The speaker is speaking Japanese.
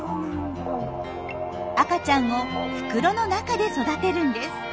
赤ちゃんを袋の中で育てるんです。